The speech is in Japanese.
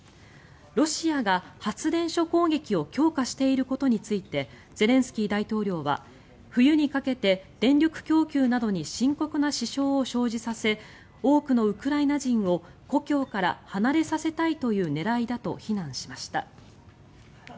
ロシアが発電所攻撃を強化していることについてゼレンスキー大統領は冬にかけて電力供給などに深刻な支障を生じさせ多くのウクライナ人を故郷から離れさせたいという狙いだと非難しました。